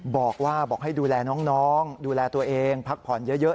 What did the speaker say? บอกว่าบอกให้ดูแลน้องดูแลตัวเองพักผ่อนเยอะ